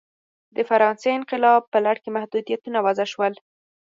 د فرانسې انقلاب په لړ کې محدودیتونه وضع شول.